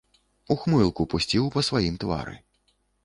Ухмылку пусціў па сваім твары.